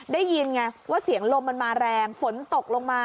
ได้ยินไงว่าเสียงลมมันมาแรงฝนตกลงมา